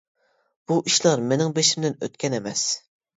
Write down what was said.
بۇ ئىشلار مېنىڭ بېشىمدىن ئۆتكەن ئەمەس.